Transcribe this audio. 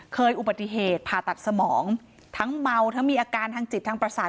อุบัติเหตุผ่าตัดสมองทั้งเมาทั้งมีอาการทางจิตทางประสาท